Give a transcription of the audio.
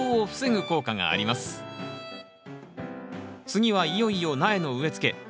次はいよいよ苗の植えつけ。